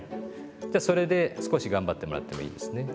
じゃあそれで少し頑張ってもらってもいいですね。